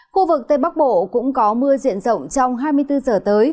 khu vực tây bắc bộ cũng có mưa diện rộng trong hai mươi bốn giờ tới